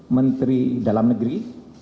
menteri dalam negeri